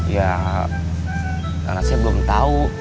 ya karena saya belum tahu